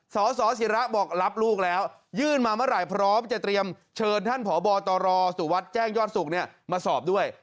สสิระบอกรับลูกแล้วยื่นมาเมื่อไหร่พร้อมจะเตรียมเชิญท่านผอบตรสุวัสดิ์แจ้งยอดสุขมาสอบด้วย